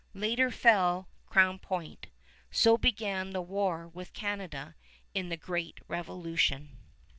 Later fell Crown Point. So began the war with Canada in the great Revolution.